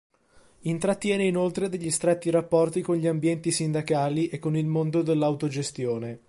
Intrattiene inoltre degli stretti rapporti con gli ambienti sindacali e con il mondo dell’autogestione.